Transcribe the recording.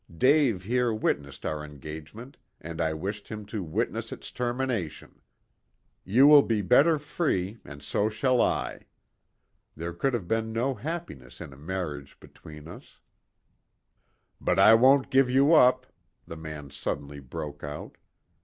Dave here witnessed our engagement, and I wished him to witness its termination. You will be better free, and so shall I. There could have been no happiness in a marriage between us " "But I won't give you up," the man suddenly broke out.